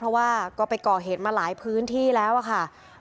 เพราะจะไปก่อเหตุมาหลายการพื้นที่แล้วโทรศาสตรา